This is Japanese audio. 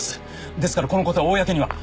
ですからこのことは公には